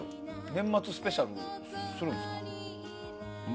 年末スペシャルするんですか？